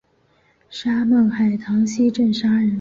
沙孟海塘溪镇沙村人。